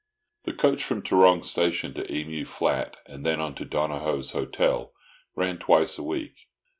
The coach from Tarrong railway station to Emu Flat, and then on to Donohoe's Hotel, ran twice a week.